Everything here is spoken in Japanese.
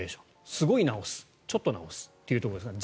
すごい直すちょっと直すということですね。